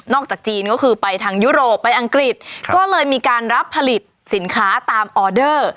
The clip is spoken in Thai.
จากจีนก็คือไปทางยุโรปไปอังกฤษก็เลยมีการรับผลิตสินค้าตามออเดอร์